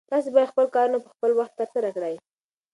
تاسو باید خپل کارونه په خپل وخت ترسره کړئ.